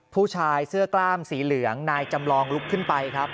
ผู้ชายเสื้อกล้ามสีเหลืองนายจำลองลุกขึ้นไปครับ